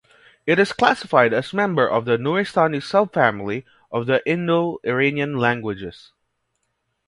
It is classified as member of the Nuristani sub-family of the Indo-Iranian languages.